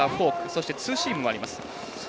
そして、ツーシームもあります。